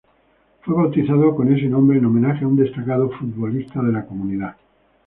Fue bautizado con ese nombre en homenaje a un destacado futbolista de la comunidad.